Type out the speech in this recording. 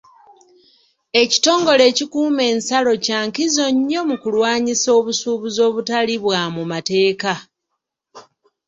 Ekitongole ekikuuma ensalo kya nkizo nnyo mu kulwanyisa obusuubuzi obutali bwa mu mateeka.